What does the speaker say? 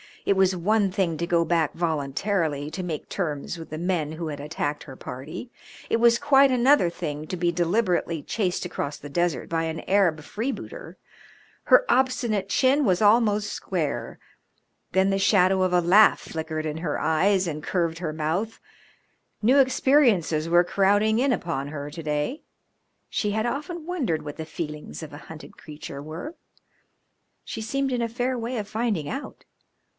It was one thing to go back voluntarily to make terms with the men who had attacked her party; it was quite another thing to be deliberately chased across the desert by an Arab freebooter. Her obstinate chin was almost square. Then the shadow of a laugh flickered in her eyes and curved her mouth. New experiences were crowding in upon her to day. She had often wondered what the feelings of a hunted creature were. She seemed in a fair way of finding out.